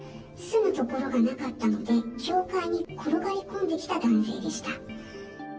住む所がなかったので、教会に転がり込んできた男性でした。